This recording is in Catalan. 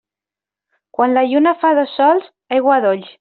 Quan la lluna fa dos sols, aigua a dolls.